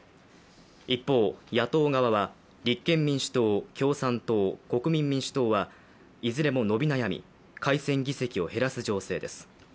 一方、野党側は立憲民主党、共産党、国民民主党はいずれも伸び悩み改選議席を減らす情勢です。